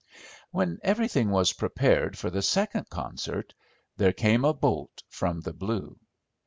When everything was prepared for the second concert there came a bolt from the blue.